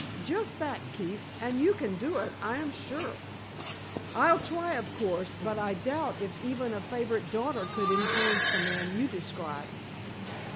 "Just that, Keefe. And you can do it, I am sure." "I'll try, of course; but I doubt if even a favorite daughter could influence the man you describe."